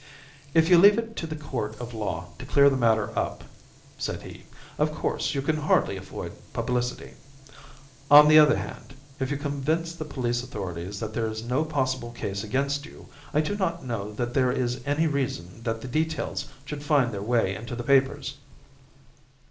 "If you leave it to a court of law to clear the matter up," said he, "of course you can hardly avoid publicity. On the other hand, if you convince the police authorities that there is no possible case against you, I do not know that there is any reason that the details should find their way into the papers.